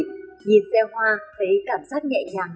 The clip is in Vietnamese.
nhìn xe hoa thấy cảm giác nhẹ nhàng